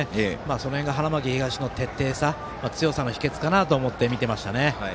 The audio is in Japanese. その辺が、花巻東の徹底さ、強さの秘けつかなと思って見ていました。